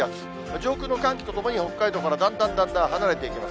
上空の寒気とともに北海道からだんだんだんだん離れていきます。